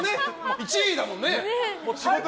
１位だもんね。